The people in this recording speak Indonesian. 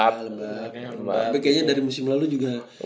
tapi kayaknya dari musim lalu juga